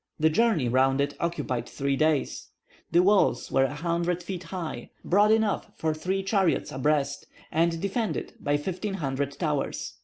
The journey round it occupied three days. The walls were a hundred feet high, broad enough for three chariots abreast, and defended by fifteen hundred towers.